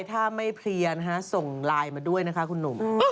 ถ้าไม่เพลียนะฮะส่งไลน์มาด้วยนะคะคุณหนุ่ม